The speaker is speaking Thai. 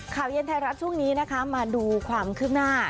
ข่าวเย็นไทยรัฐช่วงนี้นะคะมาดูความคืบหน้า